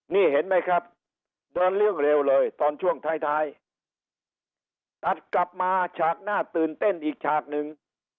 นี่เห็นไหมครับเดินเรื่องเร็วเลยตอนช่วงท้ายท้ายตัดกลับมาฉากหน้าตื่นเต้นอีกฉากหนึ่ง